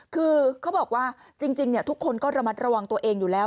คือเขาบอกว่าจริงทุกคนก็ระมัดระวังตัวเองอยู่แล้ว